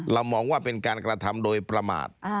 มองว่าเป็นการกระทำโดยประมาท